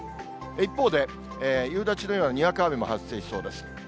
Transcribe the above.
一方で、夕立のようなにわか雨も発生しそうです。